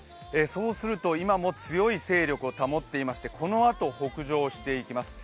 今も強い勢力を保っていましてこのあと北上していきます。